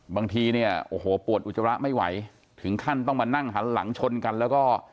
บางทีเนี่ยโอ้โหปวดอุจจาระไม่ไหวถึงขั้นต้องมานั่งหันหลังชนกันแล้วก็